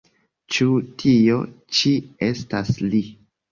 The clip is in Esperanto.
Ĉu tio ĉi estas li?